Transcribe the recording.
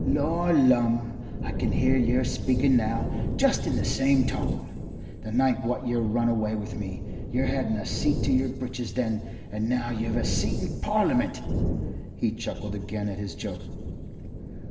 "Lor lumme! I can hear yer speaking now just in the same tone the night what yer run away with me. Yer hadn't a seat to yer breeches then, and now you've a seat in Parliament." He chuckled again at his joke.